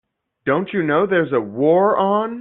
Don't you know there's a war on?